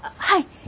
はい。